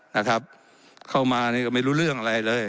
นะครับเข้ามานี่ก็ไม่รู้เรื่องอะไรเลย